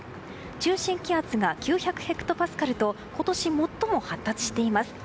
中心気圧が９００ヘクトパスカルと今年最も発達しています。